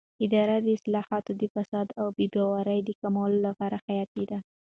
اداري اصلاحات د فساد او بې باورۍ د کمولو لپاره حیاتي دي